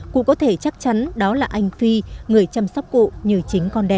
cụ có thể chắc chắn đó là anh phi người chăm sóc cụ như chính con đẻ